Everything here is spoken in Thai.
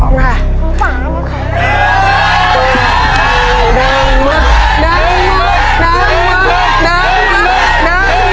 น้ำมัด